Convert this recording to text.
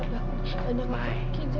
tapi aku tidak akan pergi ja